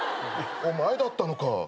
お前だったのか。